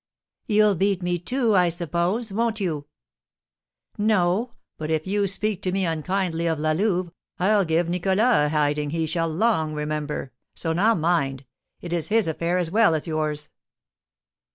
"You'll beat me, too, I suppose, won't you?" "No; but, if you speak to me unkindly of La Louve, I'll give Nicholas a hiding he shall long remember. So now, mind! It is his affair as well as yours."